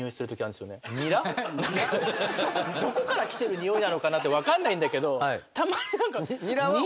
どこから来てるニオイなのかなって分かんないんだけどたまに何かニラ？